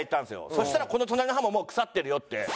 そしたらこの隣の歯も腐ってるよって。